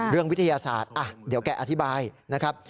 วิทยาศาสตร์เดี๋ยวแกอธิบายนะครับ